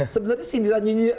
sebenarnya sindiran nyinyir